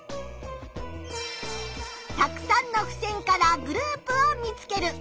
たくさんのふせんからグループを見つける。